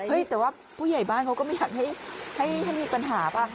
แต่ว่าผู้ใหญ่บ้านเขาก็ไม่อยากให้มีปัญหาป่ะ